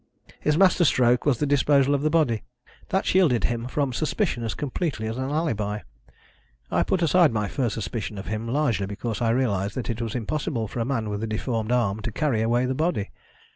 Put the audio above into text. His master stroke was the disposal of the body. That shielded him from suspicion as completely as an alibi. I put aside my first suspicion of him largely because I realised that it was impossible for a man with a deformed arm to carry away the body.